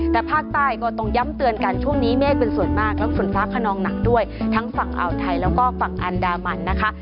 แต่ภาคใต้ก็ต้องย้ำเตือนกันช่วงนี้เมฆเป็นส่วนมากและฝนฟ้าขนองหนักด้วยทั้งฝั่งอ่าวไทยแล้วก็ฝั่งอันดามันนะคะ